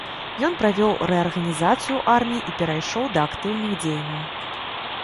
Ён правёў рэарганізацыю арміі і перайшоў да актыўных дзеянняў.